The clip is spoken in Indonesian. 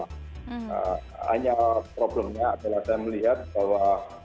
hanya problemnya adalah saya melihat bahwa